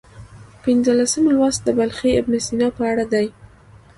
پنځلسم لوست د بلخي ابن سینا په اړه دی.